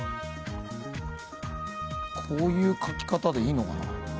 こういう書き方でいいのかな。